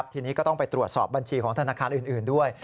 ทีนี้ก็ต้องไปตรวจสอบบัญชีของธนาคารอื่นด้วย